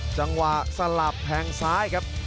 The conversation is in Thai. จังหวะสลับแทงซ้ายครับ